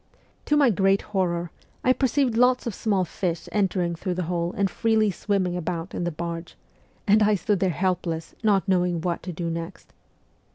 To my great horror, I perceived lots of small fish entering through the hole and freely swimming about in the barge and I stood there helpless, not knowing what to do next.